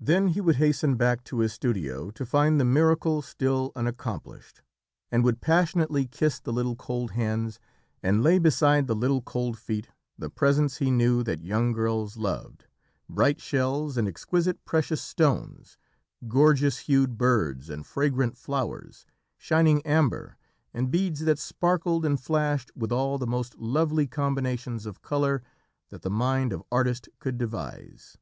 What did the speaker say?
Then he would hasten back to his studio to find the miracle still unaccomplished, and would passionately kiss the little cold hands, and lay beside the little cold feet the presents he knew that young girls loved bright shells and exquisite precious stones, gorgeous hued birds and fragrant flowers, shining amber, and beads that sparkled and flashed with all the most lovely combinations of colour that the mind of artist could devise.